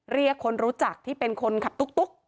เรียกคนรู้จักที่เป็นคนขับตุ๊ก